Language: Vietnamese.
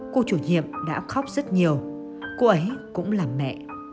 cô chủ nhiệm đã khóc rất nhiều cô ấy cũng là mẹ